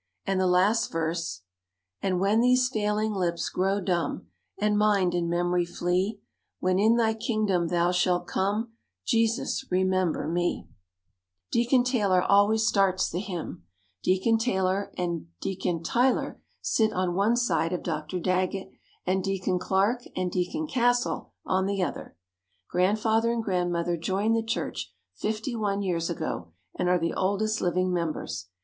And the last verse: "And when these failing lips grow dumb, And mind and memory flee, When in Thy kingdom Thou shalt come, Jesus remember me." [Illustration: Hon. Francis Granger, Mr. Gideon Granger] Deacon Taylor always starts the hymn. Deacon Taylor and Deacon Tyler sit on one side of Dr. Daggett and Deacon Clarke and Deacon Castle on the other. Grandfather and Grandmother joined the church fifty one years ago and are the oldest living members.